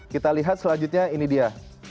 kita lihat selanjutnya ini dia